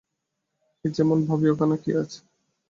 এই যেমন, ভাবি ওখানে কী আছে।